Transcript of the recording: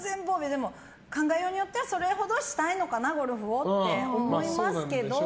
まあ、考えようによってはそれほどしたいのかなゴルフをって思いますけど。